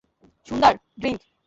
সুন্দার, drink.